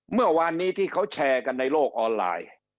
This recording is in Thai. เมื่อวานนี้ที่เขาแชร์กันในโลกออนไลน์